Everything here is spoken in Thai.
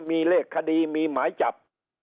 มีเลขคดีมีหมายจับ